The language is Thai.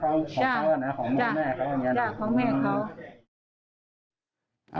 ใช่ของแม่เขา